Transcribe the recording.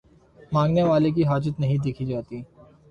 مانگنے والے کی حاجت نہیں دیکھی جاتی